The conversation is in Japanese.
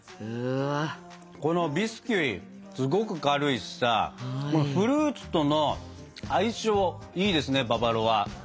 このビスキュイすごく軽いしさフルーツとの相性いいですねババロア。